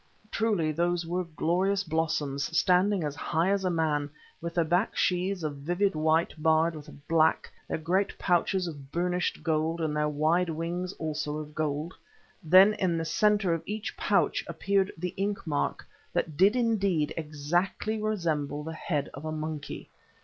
Truly those were glorious blossoms, standing as high as a man, with their back sheaths of vivid white barred with black, their great pouches of burnished gold and their wide wings also of gold. Then in the centre of each pouch appeared the ink mark that did indeed exactly resemble the head of a monkey.